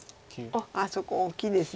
あっそこ大きいです。